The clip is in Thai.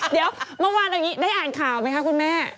เดี๋ยวเมื่อวานเราได้อ่านข่าวไหมคะคุณแม่